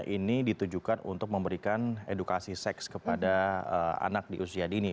ini ditujukan untuk memberikan edukasi seks kepada anak di usia dini